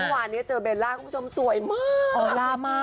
วันเนี่ยเจอเบลลล่าคุณผู้ชมสวยมาก